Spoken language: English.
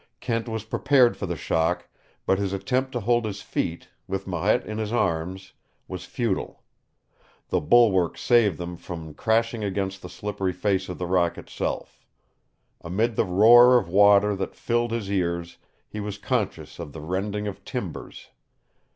Kent was prepared for the shock, but his attempt to hold his feet, with Marette in his arms, was futile. The bulwark saved them from crashing against the slippery face of the rock itself. Amid the roar of water that filled his ears he was conscious of the rending of timbers.